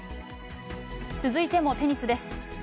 続いてもテニスです。